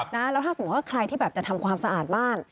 แล้วถ้าสมมุติว่าใครที่แบบจะทำความสะอาดบ้าน